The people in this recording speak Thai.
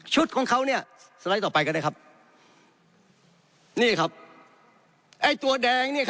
ของเขาเนี่ยสไลด์ต่อไปก็ได้ครับนี่ครับไอ้ตัวแดง